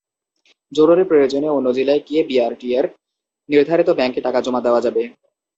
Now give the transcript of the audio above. জরুরি প্রয়োজনে অন্য জেলায় গিয়ে বিআরটিএর নির্ধারিত ব্যাংকে টাকা জমা দেওয়া যাবে।